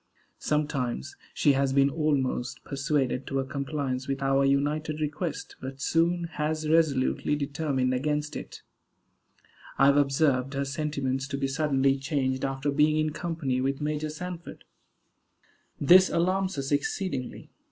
Sometimes she has been almost persuaded to a compliance with our united request, but soon has resolutely determined against it. I have observed her sentiments to be suddenly changed after being in company with Major Sanford. This alarms us exceedingly.